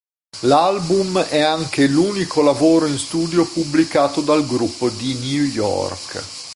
L'album è anche l'unico lavoro in studio pubblicato dal gruppo di New York.